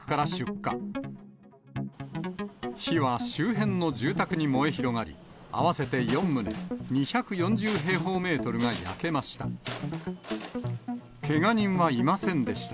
火は周辺の住宅に燃え広がり、合わせて４棟、２４０平方メートルが焼けました。